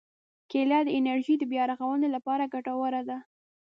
کېله د انرژي د بیا رغونې لپاره ګټوره ده.